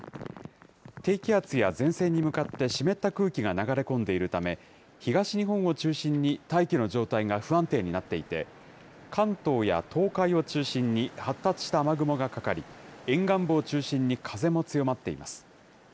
低気圧や前線に向かって湿った空気が流れ込んでいるため、東日本を中心に大気の状態が不安定になっていて、関東や東海を中心に発達した雨雲がかかり、沿岸部を中心に風も強まっています。